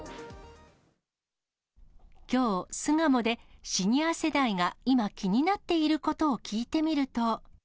きょう、巣鴨でシニア世代が今、気になっていることを聞いてみると。